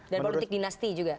dan politik dinasti juga